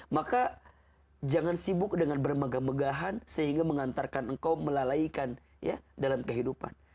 maka jangan sibuk dengan bermegah megahan sehingga mengantarkan engkau melalaikan dalam kehidupan